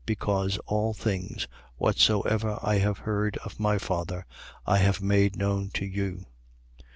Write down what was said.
because all things, whatsoever I have heard of my Father, I have made known to you.